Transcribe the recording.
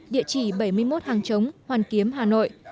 địa chỉ bảy mươi một hàng chống hoàn kiếm hà nội